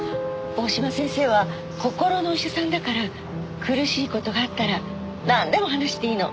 大嶋先生は心のお医者さんだから苦しい事があったらなんでも話していいの。